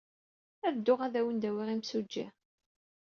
Ad dduɣ ad awen-d-awiɣ imsujji.